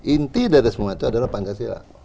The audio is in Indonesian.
inti dari semua itu adalah pancasila